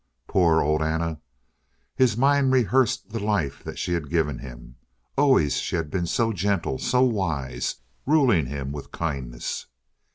Poor old Anna. His mind rehearsed the life that she had given him. Always she had been so gentle, so wise, ruling him with kindness.